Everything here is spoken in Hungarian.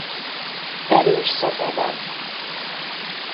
Erős szaga van.